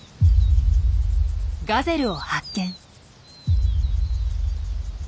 ガゼルを発見。